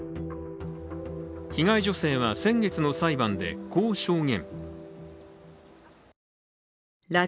被害女性は先月の裁判で、こう証言。